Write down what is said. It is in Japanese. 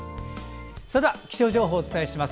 それでは、気象情報をお伝えします。